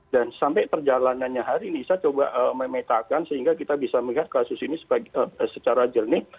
dan sampai perjalanannya hari ini saya coba memetakan sehingga kita bisa melihat kasus ini secara jernih